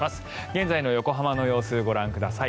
現在の横浜の様子ご覧ください。